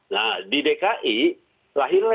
nah di dki lahirnya